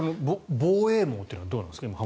防衛網というのはどうなんですか？